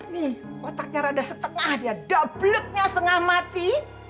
nih otaknya rada setengah dia dobleknya setengah mati